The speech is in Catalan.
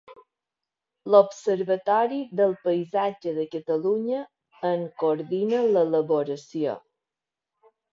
L'Observatori del Paisatge de Catalunya en coordina l'elaboració.